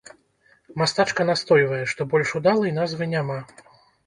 Мастачка настойвае, што больш удалай назвы няма.